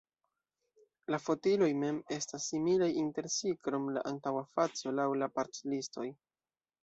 La fotiloj mem estas similaj inter si krom la antaŭa faco, laŭ la part-listoj.